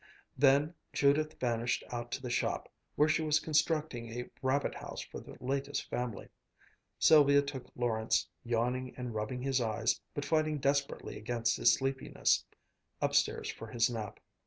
Then Judith vanished out to the shop, where she was constructing a rabbit house for the latest family. Sylvia took Lawrence, yawning and rubbing his eyes, but fighting desperately against his sleepiness, upstairs for his nap.